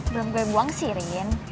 belum gue buang sih rin